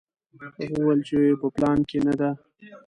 هغه وویل چې په پلان کې نه ده.